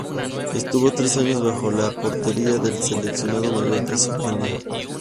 Estuvo tres años bajo la portería del seleccionado mayor de Somalia.